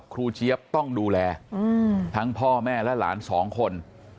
เจี๊ยบต้องดูแลทั้งพ่อแม่และหลานสองคน